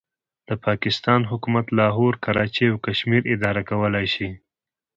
د پاکستان حکومت لاهور، کراچۍ او کشمیر اداره کولای شي.